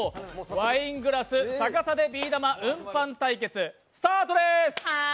ワイングラス逆さでビー玉運搬対決スタートです！